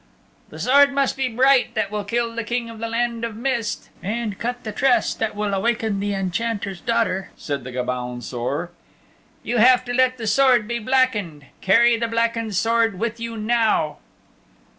"The Sword must be bright that will kill the King of the Land of Mist and cut the tress that will awaken the Enchanter's daughter," said the Gobaun Saor. "You have let the Sword be blackened. Carry the blackened Sword with you now."